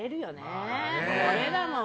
これだもん。